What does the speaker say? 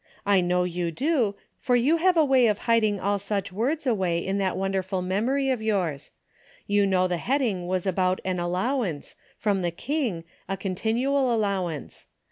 I know you do, for you have a way of hiding all such words away in that wonderful mem ory of yours. You know the heading was about an allowance, from the king, a con tinual allowance.